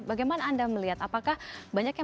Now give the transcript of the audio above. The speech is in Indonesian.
bagaimana anda melihat apakah banyak yang